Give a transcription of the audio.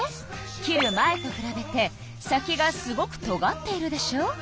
切る前とくらべて先がすごくとがっているでしょ。